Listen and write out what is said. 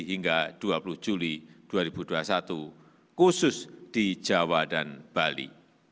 hingga dua puluh juli dua ribu dua puluh satu khusus di jawa dan bali